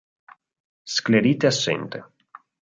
Sclerite assente.